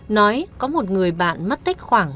nói có một người bạn mất tích khoảng một mươi